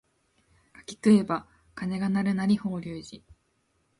柿食えば鐘が鳴るなり法隆寺